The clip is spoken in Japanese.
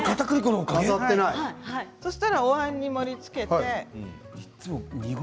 そうしたらおわんに盛りつけて。